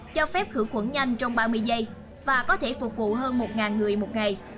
cho phép khử khuẩn nhanh trong ba mươi giây và có thể phục vụ hơn một người một ngày